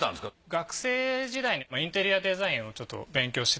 学生時代にインテリアデザインをちょっと勉強してたことが。